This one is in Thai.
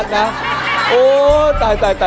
ดินมากเลยนะพัทนะ